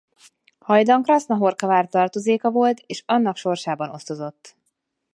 Hajdan Krasznahorka vár tartozéka volt és annak sorsában osztozott.